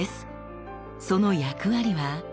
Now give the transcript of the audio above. その役割は。